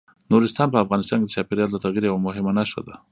نورستان په افغانستان کې د چاپېریال د تغیر یوه مهمه نښه ده.